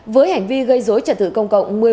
với hành vi gây dối trật tự công cộng